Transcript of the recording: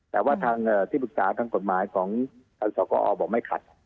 แต่ว่าทางที่ปรึกษาทางกฎหมายของอาทิตย์ศาสตร์กรอบบอกว่าไม่ขัด